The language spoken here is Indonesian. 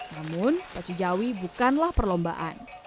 namun pacu jawi bukanlah perlombaan